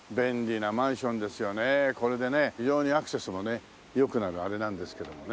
これでね非常にアクセスもね良くなるあれなんですけどもね。